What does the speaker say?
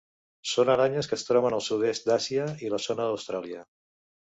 Són aranyes que es troben al Sud-est d'Àsia i la zona d'Austràlia.